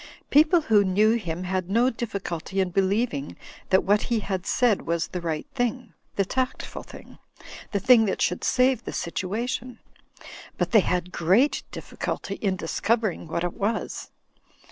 People who knew him had no difficulty in believing that what he had said was the right thing, the tactful thing, the thing that should save the situa tion ; but they had great difficulty in discovering what it was.